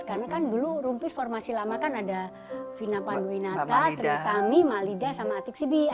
karena kan dulu rumpis formasi lama kan ada fina panduinata tri tami malidah sama atik sibi